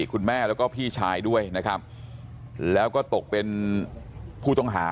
คุณแม่แล้วก็พี่ชายด้วยนะครับแล้วก็ตกเป็นผู้ต้องหา